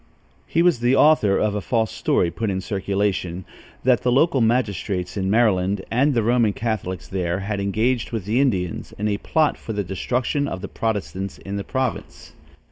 He was the author of a false story put in circulation, that the local magistrates in Maryland and the Roman Catholics there had engaged with the Indians in a plot for the destruction of the Protestants in the province.